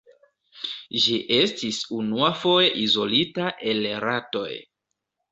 Ĝi estis unuafoje izolita el ratoj.